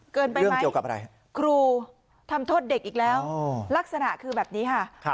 เกินไปมั้ยคลูทำโทษเด็กอีกแล้วลักษณะคือแบบนี้ค่ะ